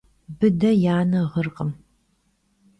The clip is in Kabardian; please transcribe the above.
Bıde yi ane ğırkhım.